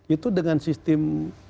itu dengan sistem